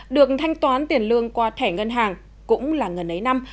được thanh toán tiền lương qua thẻ ngân hàng cũng là ngần ấy năm